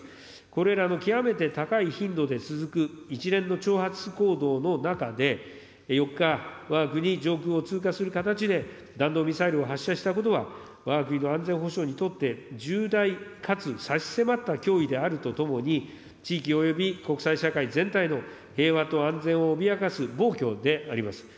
これらの極めて高い頻度で続く一連の挑発行動の中で、４日、わが国上空を通過する形で、弾道ミサイルを発射したことは、わが国の安全保障にとって重大かつ差し迫った脅威であるとともに、地域および国際社会全体の平和と安全を脅かす暴挙であります。